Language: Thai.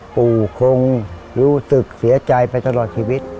ปู่คงรู้สึกเสียใจไปตลอดชีวิต